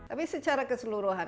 artinya caranya dekat sama fucked up